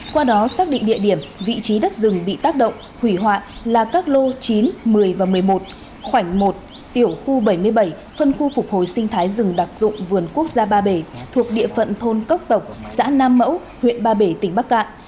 qua đó xác định địa điểm vị trí đất rừng bị tác động hủy hoại là các lô chín một mươi và một mươi một khoảnh một tiểu khu bảy mươi bảy phân khu phục hồi sinh thái rừng đặc dụng vườn quốc gia ba bể thuộc địa phận thôn cốc tộc xã nam mẫu huyện ba bể tỉnh bắc cạn